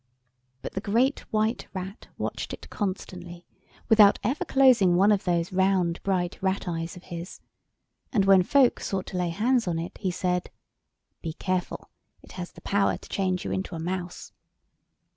But the Great White Rat watched it constantly, without ever closing one of those round bright rat' eyes of his, and when folk sought to lay hands on it he said— "Be careful: it has the power to change you into a mouse."